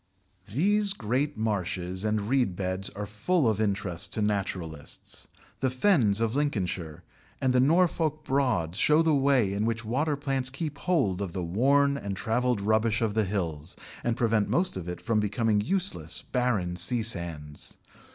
These great marshes and reed beds are full of interest to naturalists. The Fens of Lincolnshire and the Norfolk Broads show the way in which water plants keep hold of the worn and travelled rubbish of the hills, and prevent most of it from becoming useless, barren sea sands.